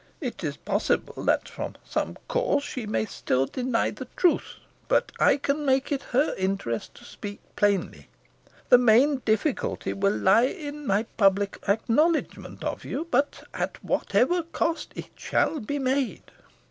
It is possible that from some cause she may still deny the truth, but I can make it her interest to speak plainly. The main difficulty will lie in my public acknowledgment of you. But, at whatever cost, it shall be made."